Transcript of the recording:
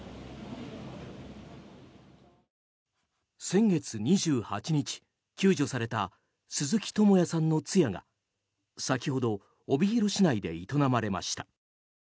先月２８日救助された鈴木智也さんの通夜が先ほど、帯広市内で営まれました。